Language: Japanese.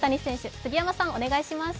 杉山さんお願いします。